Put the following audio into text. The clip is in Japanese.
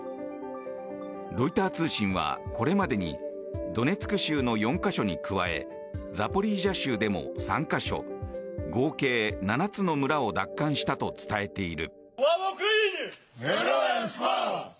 ロイター通信は、これまでにドネツク州の４か所に加えザポリージャ州でも３か所合計７つの村を奪還したと伝えている。